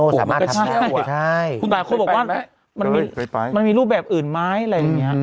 สามารถใช่ใช่คุณต่างคนบอกว่ามันมีมันมีรูปแบบอื่นไม้อะไรอย่างเงี้ย